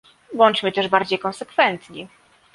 Bądźmy też bardziej konsekwentni